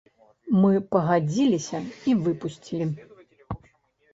Мы пагадзіліся і выпусцілі.